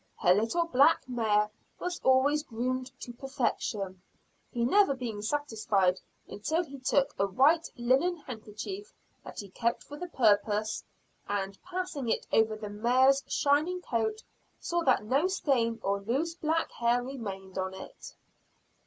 Her little black mare was always groomed to perfection, he never being satisfied until he took a white linen handkerchief that he kept for the purpose, and, passing it over the mare's shining coat, saw that no stain or loose black hair remained on it.